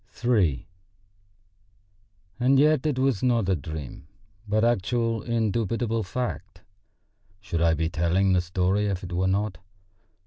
III And yet it was not a dream, but actual, indubitable fact. Should I be telling the story if it were not?